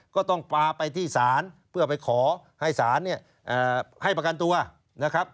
ก็ต้องปลาไปที่ศาลเพื่อไปขอให้ศาลเนี่ยให้ประกันตัวนะครับ